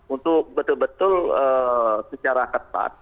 untuk betul betul secara ketat